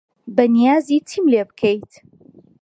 بەنیازی چیم لێ بکەیت؟